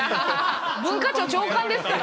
文化庁長官ですから。